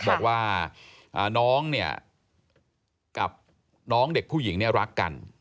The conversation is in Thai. บอกว่าน้องเนี่ยกับน้องเด็กผู้หญิงเนี่ยรักกัน